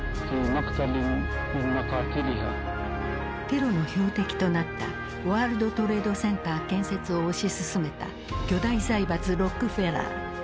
テロの標的となったワールドトレードセンター建設を推し進めた巨大財閥ロックフェラー。